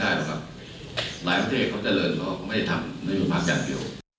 หลายประเทศเขาเจริญเพราะเขาไม่ได้ทำนโยบายอย่างเดียว